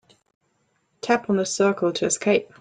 Tap on the circle to escape.